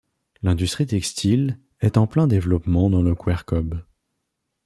L'industrie textile est en plein développement dans le Quercorb.